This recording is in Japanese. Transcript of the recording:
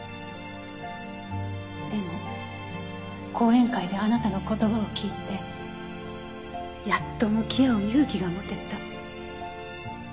でも講演会であなたの言葉を聞いてやっと向き合う勇気が持てた。